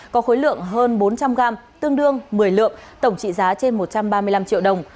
có khối lượng hơn bốn trăm linh gram tương đương một mươi lượng tổng trị giá trên một trăm ba mươi năm triệu đồng